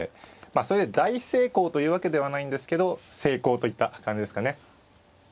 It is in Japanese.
まあそれで大成功というわけではないんですけど成功といった感じですかね。